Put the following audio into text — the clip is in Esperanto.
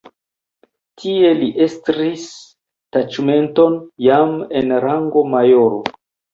Tie li estris taĉmenton jam en rango majoro.